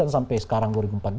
sampai sekarang dua ribu empat belas